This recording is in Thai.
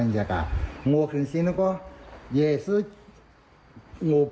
อะไรกันเนี่ยฉันก็ไม่แบบสินะฮะ